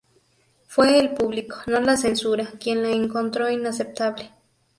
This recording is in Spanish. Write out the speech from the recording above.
Fue el público, no la censura, quien la encontró inaceptable".